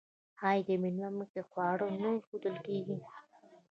آیا د میلمه مخې ته ښه خواړه نه ایښودل کیږي؟